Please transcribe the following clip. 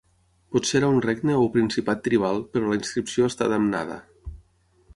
Potser era un regne o principat tribal però la inscripció està damnada.